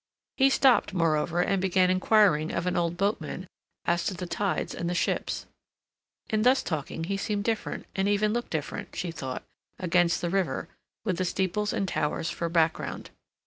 He stopped, moreover, and began inquiring of an old boatman as to the tides and the ships. In thus talking he seemed different, and even looked different, she thought, against the river, with the steeples and towers for background.